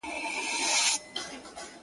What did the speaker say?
خان قاتل ملک دلال ملا مي غل دی